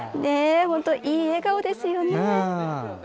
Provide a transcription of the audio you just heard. いい笑顔ですよね。